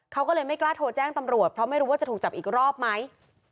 เขาก็เลยไม่กล้าโทรแจ้งตำรวจเพราะไม่รู้ว่าจะถูกจับอีกรอบไหม